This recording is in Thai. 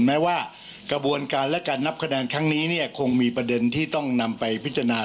แม้ว่ากระบวนการและการนับคะแนนครั้งนี้เนี่ยคงมีประเด็นที่ต้องนำไปพิจารณา